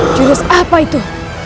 jurus apa itu